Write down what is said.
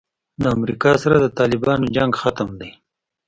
له امریکا سره د طالبانو جنګ ختم دی.